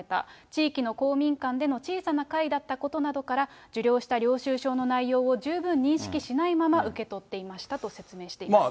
地域の公民館での小さな会だったことなどから、受領した領収証の内容を十分認識しないまま受け取っていましたと説明しています。